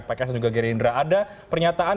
pks dan juga gerindra ada pernyataan